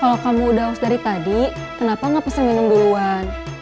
kalau kamu udah aus dari tadi kenapa gak pesen minum duluan